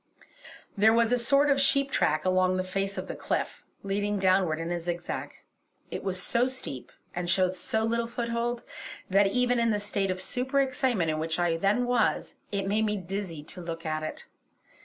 There was a sort of sheep track along the face of the cliff, leading downward in a zigzag. It was so steep, and showed so little foothold, that even in the state of super excitement in which I then was, it made me dizzy to look at it.